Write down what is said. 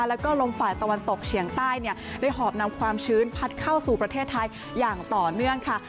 แล้วก็ลมฝ่ายตะวันตกเฉียงใต้เนี่ยได้หอบนำความชื้นพัดเข้าสู่ประเทศไทยอย่างต่อเนื่องค่ะ